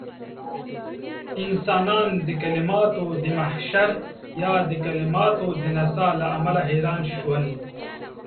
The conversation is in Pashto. انسانان د کليماتو د محشر يا د کليماتو د نڅاه له امله حيران شول.